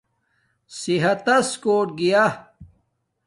صحت تس کوٹ گیاݵݵ